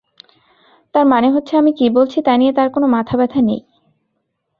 তার মানে হচ্ছে আমি কী বলছি তা নিয়ে তাঁর কোন মাথাব্যথা নেই।